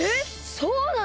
そうなの！？